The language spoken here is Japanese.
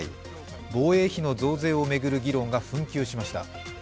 防衛費の増税を巡る議論が紛糾しました。